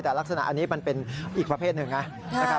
แต่ลักษณะอันนี้มันเป็นอีกประเภทหนึ่งนะครับ